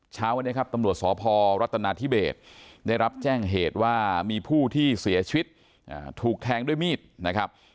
เช้าวันนี้ครับตำรวจสพรัฐนาธิเบสได้รับแจ้งเหตุว่ามีผู้ที่เสียชีวิตถูกแทงด้วยมีดนะครับ